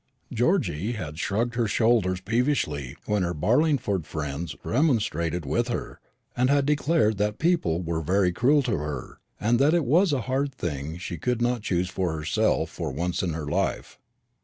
Georgy had shrugged her shoulders peevishly when her Barlingford friends remonstrated with her, and had declared that people were very cruel to her, and that it was a hard thing she could not choose for herself for once in her life.